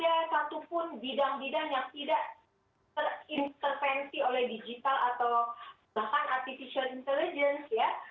dan tidak ada satupun bidang bidang yang tidak terintervensi oleh digital atau bahkan artificial intelligence ya